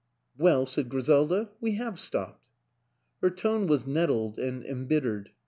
"Well," said Griselda, "we have stopped." Her tone was nettled and embittered.